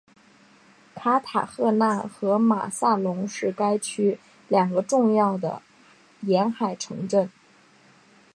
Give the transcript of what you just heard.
卡塔赫纳和马萨龙是该区两个重要的沿海城镇。